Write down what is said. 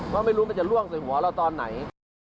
เพราะไม่รู้มันจะล่วงใส่หัวเราตอนไหน